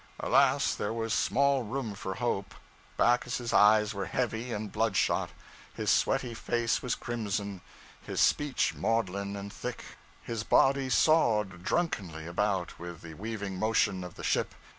Alas, there was small room for hope Backus's eyes were heavy and bloodshot, his sweaty face was crimson, his speech maudlin and thick, his body sawed drunkenly about with the weaving motion of the ship.